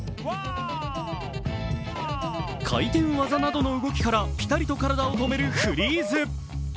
回転技などの動きからピタリと体を止めるフリーズ。